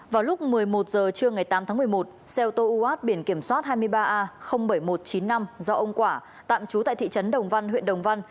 vào lúc một mươi một h trưa ngày tám tháng một mươi một xe ô tô uat biển kiểm soát hai mươi ba a bảy nghìn một trăm chín mươi năm do ông quả tạm trú tại thị trấn đồng văn huyện đồng văn